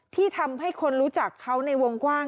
ที่ทำให้คนรู้จักเขาในวงกว้าง